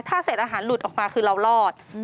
ถ้าเศษอาหารหลุดออกมาคือเรารอด